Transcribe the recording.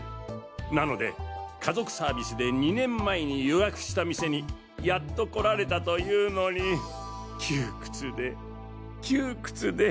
なので家族サービスで２年前に予約した店にやっと来られたというのに窮屈で窮屈で。